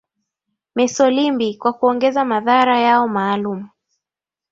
mesolimbi kwa kuongeza madhara yao maalum